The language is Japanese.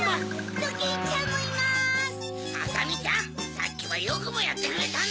さっきはよくもやってくれたな！